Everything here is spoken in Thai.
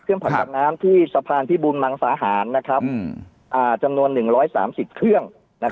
เครื่องผักดับน้ำที่สะพานที่บุญมังสาหารนะครับอ่าจำนวนหนึ่งร้อยสามสิบเครื่องนะครับ